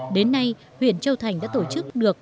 đến nay huyện châu thành đã tổ chức được